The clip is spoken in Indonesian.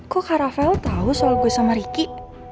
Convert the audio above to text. kok karavel tau soal gue sama ricky